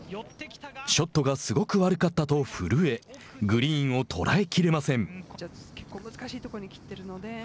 ショットがすごく悪かったと古江、グリーンを捉えきれません。